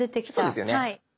そうですよね。